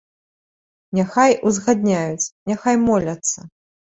Няхай узгадняюць, няхай моляцца.